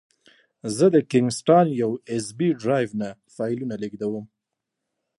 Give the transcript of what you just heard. زه د کینګ سټان یو ایس بي ډرایو نه فایلونه لېږدوم.